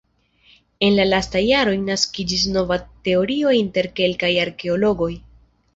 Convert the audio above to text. En la lastaj jaroj naskiĝis nova teorio inter kelkaj arkeologoj.